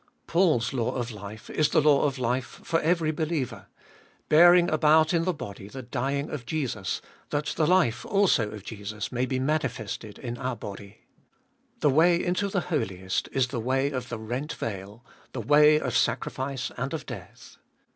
Paul's law of life is the law of life for every believer : Bearing about in the body the dying of Jesus, Sbe IboUest of that the life also of Jesus may be manifested in our body. The way into the Holiest is the way of the rent veil, the way of sacrifice and of death.